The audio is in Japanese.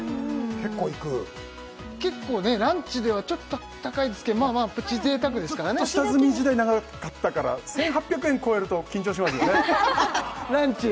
結構いく結構ねランチではちょっと高いですけどまあまあプチ贅沢ですからねちょっと下積み時代長かったから１８００円超えると緊張しますよねランチ？